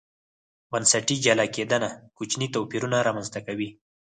بنسټي جلا کېدنه کوچني توپیرونه رامنځته کوي.